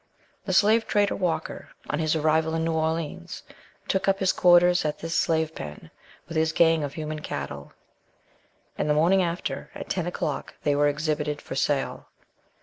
The slave trader Walker, on his arrival in New Orleans, took up his quarters at this slave pen with his gang of human cattle: and the morning after, at ten o'clock, they were exhibited for sale.